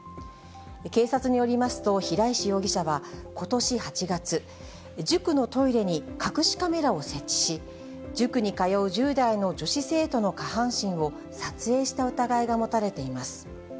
警察によりますと、平石容疑者はことし８月、塾のトイレに隠しカメラを設置し、塾に通う１０代の女子生徒の下半身を撮影した疑いが持たれています。